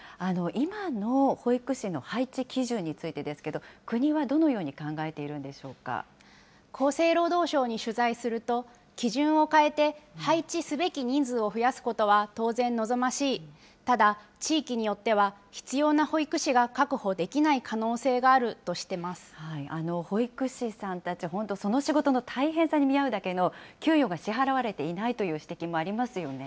今の保育士の配置基準についてですけれども、国はど厚生労働省に取材すると、基準を変えて配置すべき人数を増やすことは当然望ましい、ただ地域によっては必要な保育士が確保できない可能性があるとし保育士さんたち、本当、その仕事の大変さに見合うだけの給与が支払われていないという指